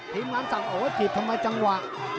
ทีมงานสั่งโอ้จีบทำไมจังหวะ